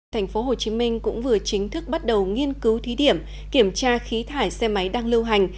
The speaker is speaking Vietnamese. thành phố hồ chí minh cũng vừa chính thức bắt đầu nghiên cứu thí điểm kiểm tra khí thải xe máy đang lưu hành